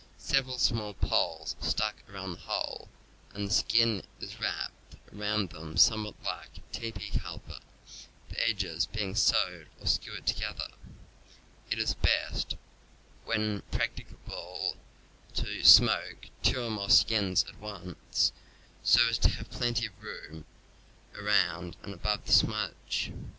Several small poles are stuck around the hole and the skin is wrapped around them somewhat like a teepee 284 CAMPING AND WOODCRAFT cover, the edges being sewed or skewered together; it is best, when practicable, to smoke two or more skins at once, so as to have plenty of room around and above the smudge.